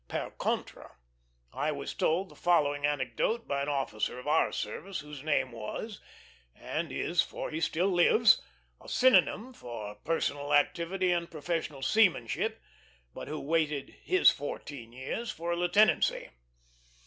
Per contra, I was told the following anecdote by an officer of our service whose name was and is, for he still lives a synonyme for personal activity and professional seamanship, but who waited his fourteen years for a lieutenancy.